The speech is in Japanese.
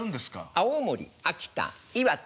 青森秋田岩手